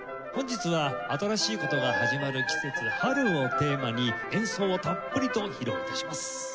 本日は新しい事が始まる季節春をテーマに演奏をたっぷりと披露致します。